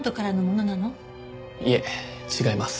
いえ違います。